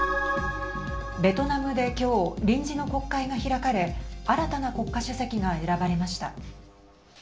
ベトナムで今日臨時の国会が開かれ新たな国家主席が選ばれました。